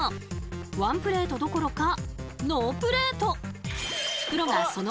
ワンプレートどころかノープレート！